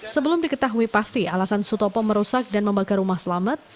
sebelum diketahui pasti alasan sutopo merusak dan membakar rumah selamat